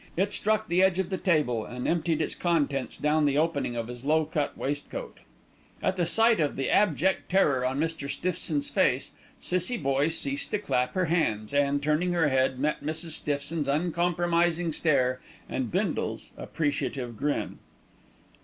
It struck the edge of the table and emptied its contents down the opening of his low cut waistcoat. At the sight of the abject terror on Mr. Stiffson's face, Cissie Boye ceased to clap her hands and, turning her head, met Mrs. Stiffson's uncompromising stare and Bindle's appreciative grin.